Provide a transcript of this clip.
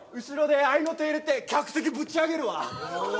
後ろで合いの手入れて客席ぶち上げるわ！